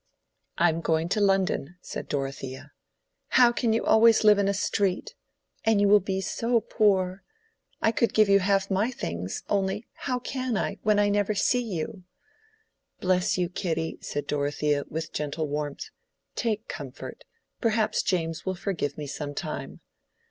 "I am going to London," said Dorothea. "How can you always live in a street? And you will be so poor. I could give you half my things, only how can I, when I never see you?" "Bless you, Kitty," said Dorothea, with gentle warmth. "Take comfort: perhaps James will forgive me some time."